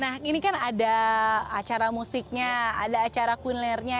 nah ini kan ada acara musiknya ada acara quinlernya